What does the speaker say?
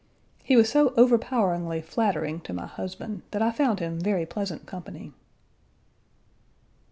He was so overpoweringly flattering to my husband that I found him very pleasant company.